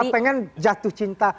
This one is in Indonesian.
kita ingin jatuh cinta